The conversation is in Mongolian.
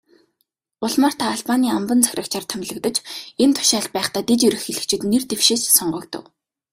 Улмаар та Албанийн амбан захирагчаар томилогдож, энэ тушаалд байхдаа дэд ерөнхийлөгчид нэр дэвшиж, сонгогдов.